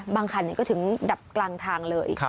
บางขันต์ก็ถึงดับกลางทางเลย